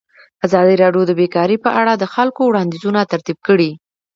ازادي راډیو د بیکاري په اړه د خلکو وړاندیزونه ترتیب کړي.